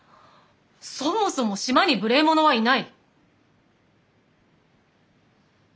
そもそも島に無礼者はいない。